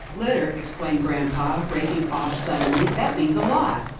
"" Litter," exclaimed grampa, breaking off sud denly, " that means a lot.